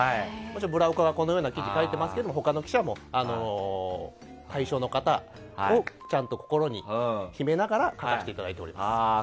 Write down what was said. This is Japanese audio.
村岡は、このような記事を書いておりますが他の記者も対象の方をちゃんと心に秘めながら書かせていただいております。